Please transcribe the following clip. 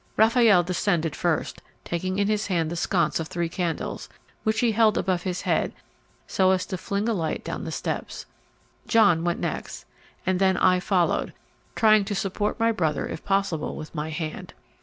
Raffaelle descended first, taking in his hand the sconce of three candles, which he held above his head so as to fling a light down the steps. John went next, and then I followed, trying to support my brother if possible with my hand.